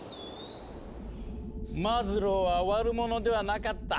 マズローは悪者ではなかった。